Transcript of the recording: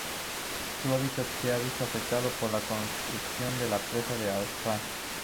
Su hábitat se ha visto afectado por la construcción de la presa de Asuán.